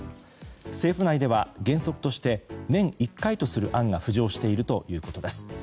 政府内では、原則として年１回とする案が浮上しているということです。